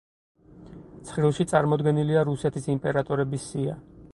ცხრილში წარმოდგენილია რუსეთის იმპერატორების სია.